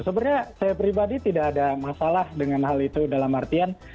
sebenarnya saya pribadi tidak ada masalah dengan hal itu dalam artian